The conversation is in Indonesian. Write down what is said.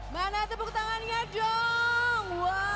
mana tepuk tangannya dong